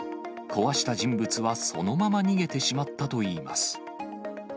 壊した人物はそのまま逃げてしまったといいます。